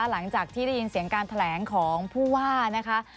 หลังจากที่ได้ยินเสียงการแถลงของผู้ว่านะคะ